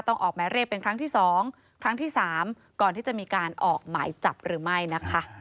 ออกหมายเรียกเป็นครั้งที่๒ครั้งที่๓ก่อนที่จะมีการออกหมายจับหรือไม่นะคะ